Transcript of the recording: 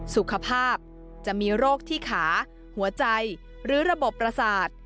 สุขภาพจะมีโรคที่ขาหัวใจหรือระบบประสาท